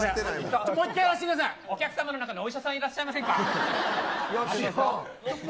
お客さまの中にお医者さんいらっしゃいませんか。